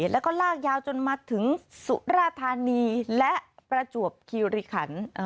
แล้วก็ลากยาวจนมาถึงสุราธานีและประจวบคิริขัน